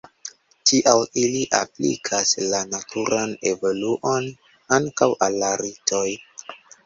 Tial, ili aplikas la naturan evoluon ankaŭ al la ritoj.